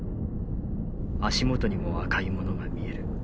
足元にも赤いものが見える。